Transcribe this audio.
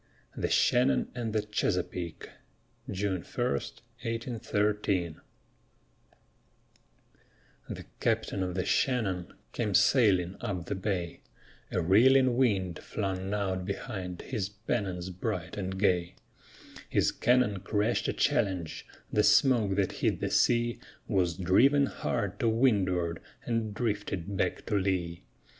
THE SHANNON AND THE CHESAPEAKE [June 1, 1813] The captain of the Shannon came sailing up the bay, A reeling wind flung out behind his pennons bright and gay; His cannon crashed a challenge; the smoke that hid the sea Was driven hard to windward and drifted back to lee.